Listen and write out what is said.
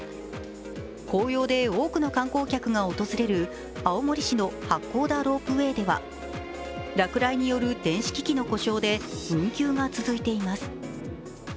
紅葉で多くの観光客が訪れる青森市の八甲田ロープウェーでは、落雷による電子機器の故障で運休が続いています。